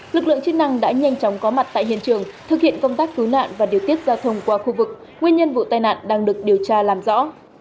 lực lượng chức năng đã nhanh chóng có mặt tại hiện trường thực hiện công tác cứu nạn và điều tiết giao thông qua khu vực nguyên nhân vụ tai nạn đang được điều tra làm rõ